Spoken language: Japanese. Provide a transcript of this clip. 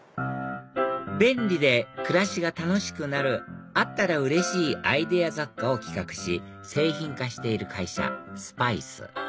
便利で暮らしが楽しくなるあったらうれしいアイデア雑貨を企画し製品化している会社